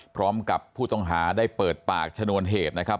พร้อมกับผู้ต้องหาได้เปิดปากชนวนเหตุนะครับ